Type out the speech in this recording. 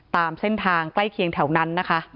ตามเส้นทางใกล้เคียงแถวนั้นนะคะ